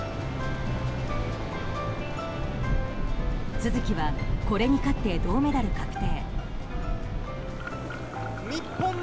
都筑はこれに勝って銅メダル確定。